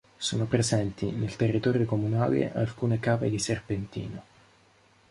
Sono presenti, nel territorio comunale, alcune cave di serpentino.